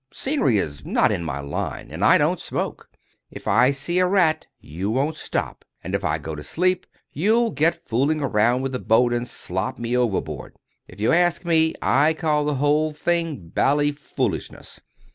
Scenery is not in my line, and I don't smoke. If I see a rat, you won't stop; and if I go to sleep, you get fooling about with the boat, and slop me overboard. If you ask me, I call the whole thing bally foolishness."